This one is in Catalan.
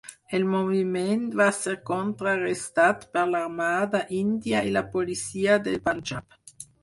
El moviment va ser contrarestat per l'Armada Índia i la Policia del Panjab.